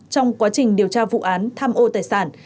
trong quá trình điều tra vụ án tham ô tài sản